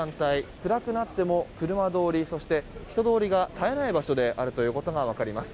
暗くなっても車通りそして人通りが絶えない場所であるということが分かります。